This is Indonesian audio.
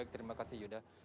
terima kasih yuda